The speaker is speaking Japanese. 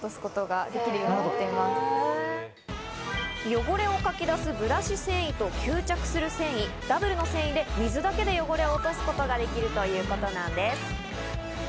汚れをかき出すブラシ繊維と、吸着する繊維、ダブルの繊維で水だけで汚れを落とすことができるということなんです。